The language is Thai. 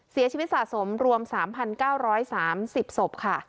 เสียชีวิตสะสมรวม๓๙๓๐ศพค่ะ